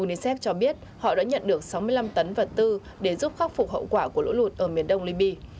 unicef cho biết họ đã nhận được sáu mươi năm tấn vật tư để giúp khắc phục hậu quả của lũ lụt ở miền đông liby